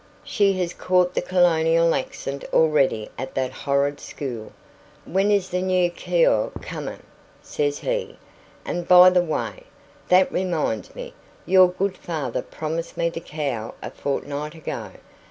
"She has caught the colonial accent already at that horrid school. 'When is the new keeow coming?' says she. And, by the way, that reminds me your good father promised me the cow a fortnight ago.